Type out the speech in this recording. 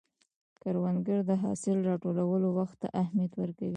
کروندګر د حاصل راټولولو وخت ته اهمیت ورکوي